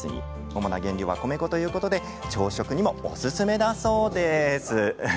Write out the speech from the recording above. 主な原料は米粉ということで朝食にもおすすめだそうです。